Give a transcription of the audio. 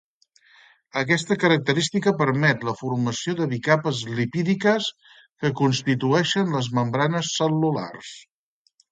Aquesta característica permet la formació de bicapes lipídiques que constitueixen les membranes cel·lulars.